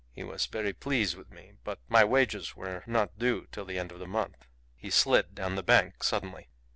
He was very pleased with me. But my wages were not due till the end of the month." He slid down the bank suddenly.